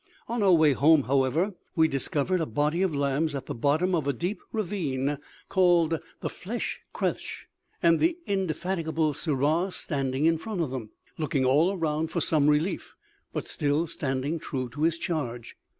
On our way home, however, we discovered a body of lambs at the bottom of a deep ravine, called the Flesh Cleuch, and the indefatigable Sirrah standing in front of them, looking all around for some relief, but still standing true to his charge.